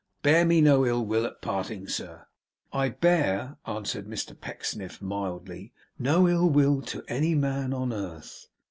Bear me no ill will at parting, sir.' 'I bear,' answered Mr Pecksniff, mildly, 'no ill will to any man on earth.